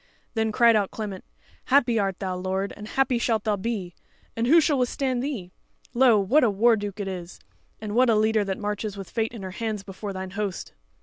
Then cried out Clement: "Happy art thou, lord, and happy shalt thou be, and who shall withstand thee? Lo! what a war duke it is! and what a leader that marches with fate in her hands before thine host!"